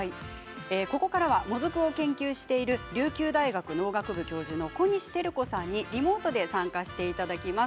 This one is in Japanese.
ここからは、もずくを研究している琉球大学農学部教授の小西照子さんにリモートで参加していただきます。